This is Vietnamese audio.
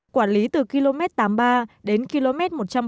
quản lý từ km tám mươi ba đến km một trăm bảy mươi bốn